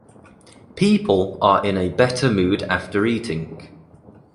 People are in a better mood after eating.